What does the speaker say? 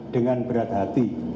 dengan berat hati